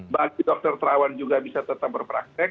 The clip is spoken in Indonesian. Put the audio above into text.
bagi dokter terawan juga bisa tetap berpraktek